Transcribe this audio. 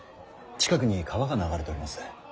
近くに川が流れております。